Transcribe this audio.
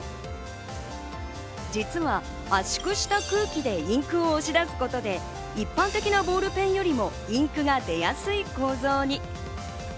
実は圧縮した空気でインクを押し出すことで、一般的なボールペンよりもインクが出やすい構造に。